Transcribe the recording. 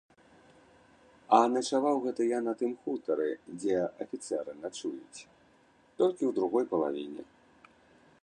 А начаваў гэта я на тым хутары, дзе афіцэры начуюць, толькі ў другой палавіне.